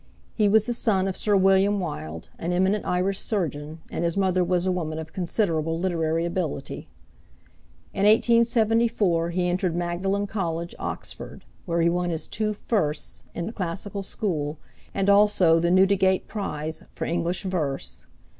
He was the son of Sir William Wilde, an eminent Irish surgeon, and his mother was a woman of considerable literary ability.In 1874 he entered Magdalen College, Oxford, where he won his two "firsts" in the Classical School, and also the Newdigate Prize for English verse.